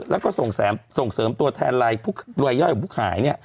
แล้วก็ส่งเสริมตัวแทนไลน์รวยย่อยของผู้ขาย